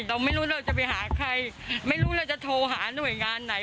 เราไม่รู้เราจะไปหาใครไม่รู้เราจะโทรหาหน่วยงานไหน